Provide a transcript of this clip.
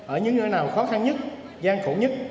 ở những nơi nào khó khăn nhất gian khổ nhất